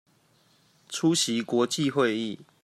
出席國際會議